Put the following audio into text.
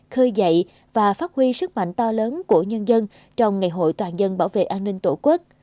khơi dậy và phát huy sức mạnh to lớn của nhân dân trong ngày hội toàn dân bảo vệ an ninh tổ quốc